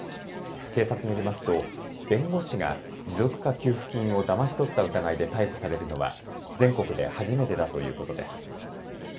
警察によりますと弁護士が持続化給付金をだまし取った疑いで逮捕されるのは全国で初めてだということです。